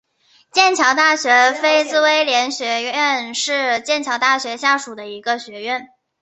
剑桥大学菲茨威廉学院是剑桥大学下属的一个学院。